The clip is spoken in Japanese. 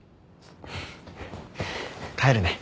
帰るね。